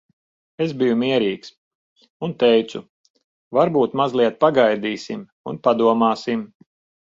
Es biju mierīgs. Un teicu, "Varbūt mazliet pagaidīsim un padomāsim?